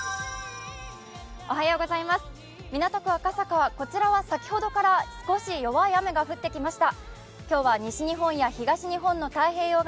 港区赤坂、こちらは先ほどから少し弱い雨が降ってきました。